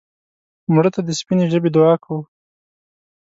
مړه ته د سپینې ژبې دعا کوو